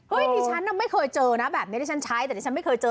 ดิฉันน่ะไม่เคยเจอนะแบบนี้ที่ฉันใช้แต่ดิฉันไม่เคยเจอ